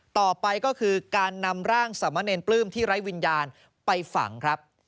ต่อไปก็คือการนำร่างสามะเนรปลื้มที่ไร้วิญญาณไปฝังครับ